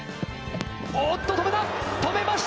おっと、止めた！